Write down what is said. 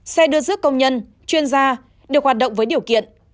xe đưa rước công nhân chuyên gia được hoạt động với điều kiện